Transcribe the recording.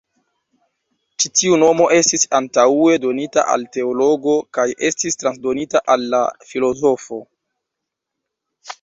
Ĉi tiu nomo estis antaŭe donita al teologo kaj estis transdonita al la filozofo.